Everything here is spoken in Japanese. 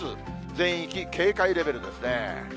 全域警戒レベルですね。